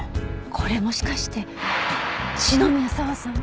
これもしかして篠宮佐和さん？